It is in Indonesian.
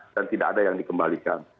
dan tidak ada yang dikembalikan